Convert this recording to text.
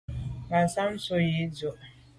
Ngassam ntshob yi ndù.